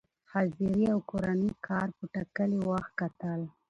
حاضري او کورني کار په ټاکلي وخت کتل،